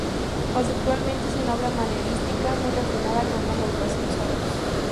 Conceptualmente, es una obra manierista, muy refinada, con una modulación suave.